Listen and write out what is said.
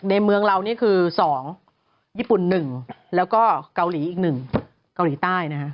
ในเมืองเรานี่คือสองญี่ปุ่นหนึ่งแล้วก็เกาหลีอีกหนึ่งเกาหลีใต้นะฮะ